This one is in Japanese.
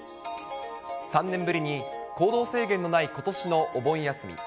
３年ぶりに行動制限のないことしのお盆休み。